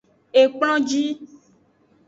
Ekplonji.